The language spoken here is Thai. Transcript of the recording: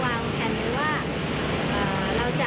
ก็คือรักษาคุณคุณภูมิภายในรักษาไทยเรา